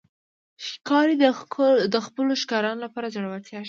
ښکاري د خپلو ښکارونو لپاره زړورتیا ښيي.